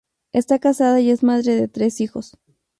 Está casada y es madre de tres hijos.